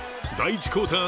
１クオーター